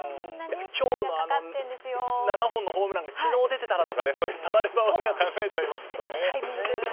今日の７本のホームランが昨日出てたらとかそういう、たらればを考えちゃいますけどね。